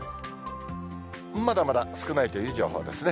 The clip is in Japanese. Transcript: まだまだ少ないという情報ですね。